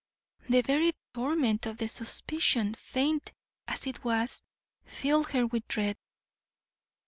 The very torment of the suspicion, faint as it was, filled her with dread.